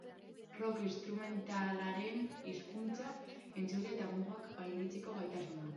Rock instrumentalaren hizkuntza, entzule eta mugak gainditzeko gaitasuna.